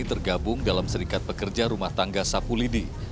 tergabung dalam serikat pekerja rumah tangga sapulidi